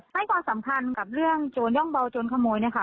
ไม่กว่าสำคัญกับเรื่องโย่งเบาโย่งขโมยนะคะ